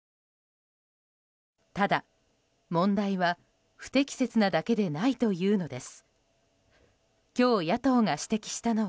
ただ、問題は不適切なだけでないというのです。